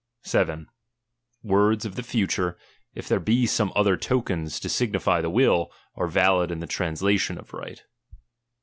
7 Words of the future, if there be some other tokens to sig nify the will, are valid in tbe translation of right.